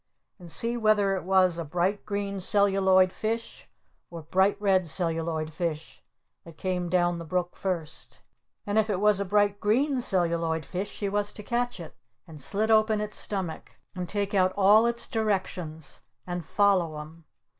And see whether it was a Bright Green Celluloid Fish or a Bright Red Celluloid Fish that came down the brook first! And if it was a Bright Green Celluloid Fish she was to catch it! And slit open its stomach! And take out all its Directions! And follow 'em!